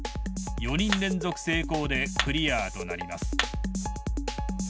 ４人連続成功でクリアとなります。